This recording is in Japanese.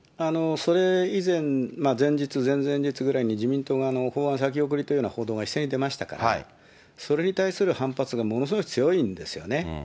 それ以前、前日、前々日ぐらいに自民党が法案先送りというような報道が一斉に出ましたから、それに対する反発がものすごい強いんですよね。